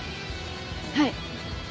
はい。